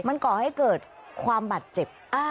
มันก่อให้เกิดความบาดเจ็บ